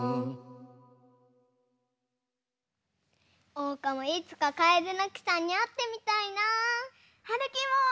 おうかもいつかカエデの木さんにあってみたいな。はるきも！